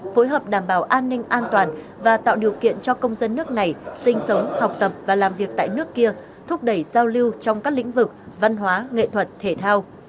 phối hợp đảm bảo an ninh an toàn và tạo điều kiện cho công dân nước này sinh sống học tập và làm việc tại nước kia thúc đẩy giao lưu trong các lĩnh vực văn hóa nghệ thuật thể thao